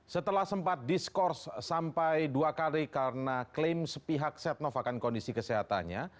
setelah sempat diskors sampai dua kali karena klaim sepihak setnov akan kondisi kesehatannya